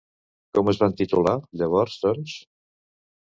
Com es van titular llavors, doncs?